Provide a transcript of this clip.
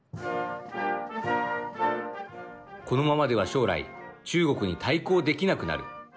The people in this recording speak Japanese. このままでは将来中国に対抗できなくなる。